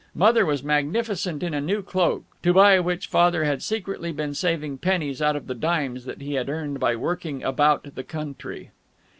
Mother was magnificent in a new cloak, to buy which Father had secretly been saving pennies out of the dimes that he had earned by working about the country.